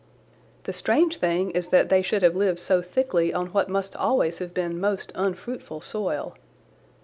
The strange thing is that they should have lived so thickly on what must always have been most unfruitful soil.